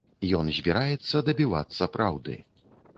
Ён збіраецца дабівацца праўды.